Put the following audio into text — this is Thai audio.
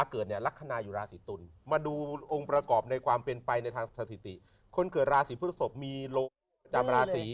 เกิดเนี่ยลักษณะอยู่ราศิตรุ่นมาดูองค์ประกอบในความเป็นไปในทางศาสิติ